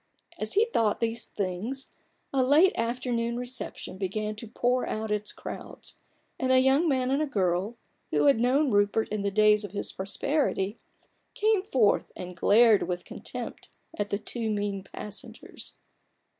As he thought these things, a late afternoon reception began to pour out its crowds, and a young man and a girl, who had known Rupert in the days of his prosperity, came forth and glared with contempt at the two mean passengers.